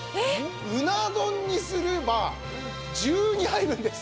うな丼にすれば１２杯分です。